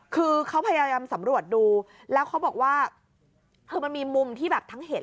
คือเขาพยายามสำรวจดูแล้วเขาบอกว่าคือมันมีมุมที่แบบทั้งเห็น